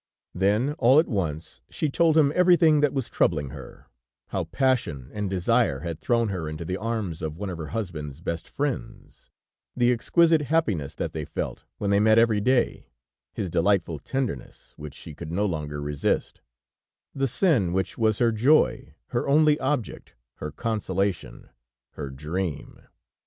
Then, all at once, she told him everything that was troubling her; how passion and desire had thrown her into the arms of one of her husband's best friends, the exquisite happiness that they felt when they met every day, his delightful tenderness, which she could no longer resist, the sin which was her joy, her only object, her consolation, her dream.